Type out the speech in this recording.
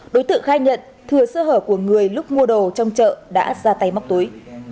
đối tượng khai nhận thừa sơ hở của người lúc mua đồ trong chợ đã ra tay móc túi